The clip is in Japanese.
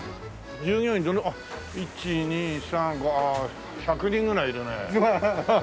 従業員あっ１２３ああ１００人ぐらいいるねえ。